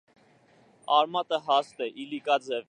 Արմատը հաստ է, իլիկաձև։